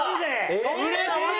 うれしい！